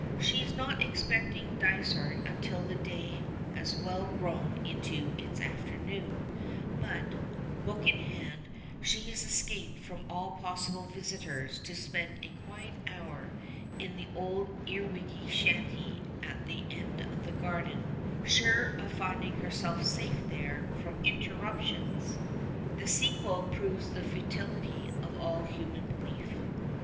She is not expecting Dysart until the day has well grown into its afternoon; but, book in hand, she has escaped from all possible visitors to spend a quiet hour in the old earwiggy shanty at the end of the garden, sure of finding herself safe there from interruptions. The sequel proves the futility of all human belief.